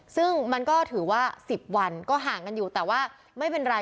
ซึ่งมันก็ถือว่า๑๐วันก็ห่างกันอยู่แต่ว่าไม่เป็นไร